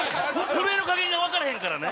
止める加減がわからへんからね。